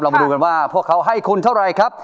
มาดูกันว่าพวกเขาให้คุณเท่าไรครับ